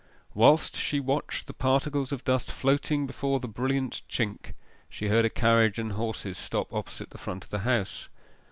Whilst she watched the particles of dust floating before the brilliant chink she heard a carriage and horses stop opposite the front of the house.